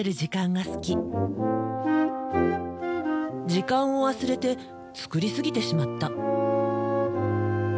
時間を忘れて作りすぎてしまった。